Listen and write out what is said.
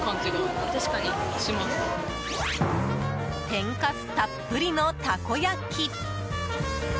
天かすたっぷりのたこ焼き。